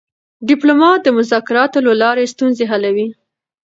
ډيپلومات د مذاکراتو له لارې ستونزې حلوي.